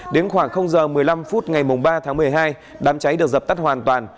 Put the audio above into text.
đến khoảng giờ một mươi năm phút ngày ba tháng một mươi hai đám cháy được dập tắt hoàn toàn